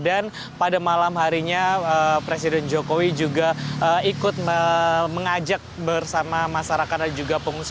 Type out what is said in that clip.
dan pada malam harinya presiden jokowi juga ikut mengajak bersama masyarakat dan juga pengungsi